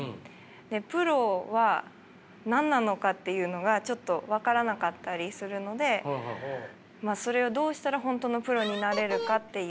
プロは何なのかっていうのがちょっと分からなかったりするのでそれをどうしたら本当のプロになれるかっていう。